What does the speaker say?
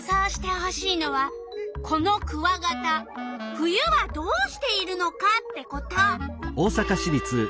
冬はどうしているのかってこと。